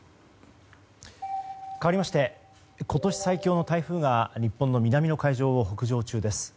かわりまして今年最強の台風が日本の南の海上を北上中です。